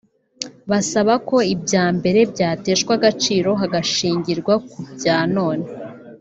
basaba ko ibyambere byateshwa agaciro hagashingirwa ku bya none